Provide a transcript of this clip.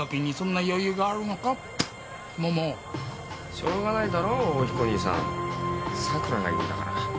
しょうがないだろ桜彦兄さんさくらが言うんだから。